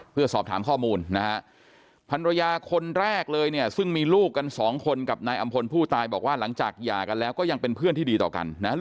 เพื่อสอบถามข้อมูลนะฮะพันรยาคนแรกเลยเนี่ยซึ่งมีลูกกันสองคนกับนายอำพลผู้ตายบอกว่าหลังจากหย่ากันแล้วก็ยังเป็นเพื่อนที่ดีต่อกันนะ